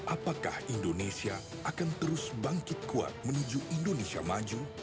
apakah indonesia akan terus bangkit kuat menuju indonesia maju